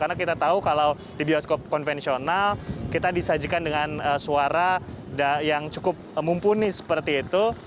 karena kita tahu kalau di bioskop konvensional kita disajikan dengan suara yang cukup mumpuni seperti itu